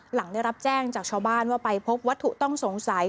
หลังได้รับแจ้งจากชาวบ้านว่าไปพบวัตถุต้องสงสัย